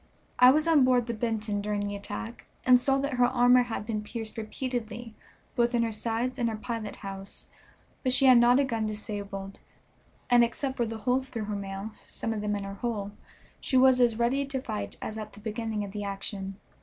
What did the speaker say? I was on board the Benton during the attack, and saw that her armor had been pierced repeatedly both in her sides and her pilot house, but she had not a gun disabled; and except for the holes through her mail, some of them in her hull, she was as ready to fight as at the beginning of the action.